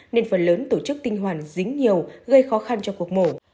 nên phần lớn tổ chức tinh hoàn dính nhiều gây khó khăn cho cuộc mổ